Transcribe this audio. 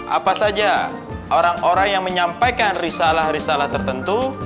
apa saja orang orang yang menyampaikan risalah risalah tertentu